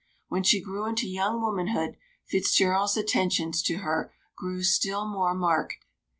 When she grew into young womanhood Fitzgerald's attentions to her grew still more marked.